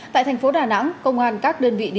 tại thành phố đà nẵng công an các đơn vị địa phương